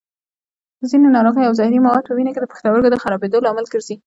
ځینې ناروغۍ او زهري مواد په وینه کې د پښتورګو د خرابېدو لامل ګرځي.